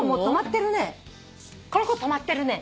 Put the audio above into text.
この子止まってるね。